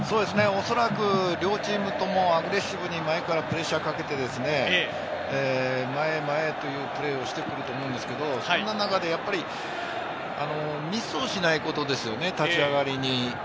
おそらく両チームともアグレッシブに前からプレッシャーをかけて前々というプレーをしてくると思うんですけど、その中でミスをしないことですね、立ち上がりに。